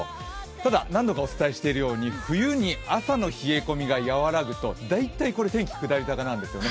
ただ何度かお伝えしているように冬に朝の冷え込みが和らぐと大体、天気、下り坂なんですよね。